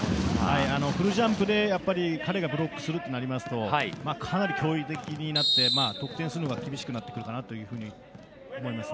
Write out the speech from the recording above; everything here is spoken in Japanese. フルジャンプで彼がブロックするとなるとかなり脅威的になって得点するのが厳しくなってくるかなというふうに思います。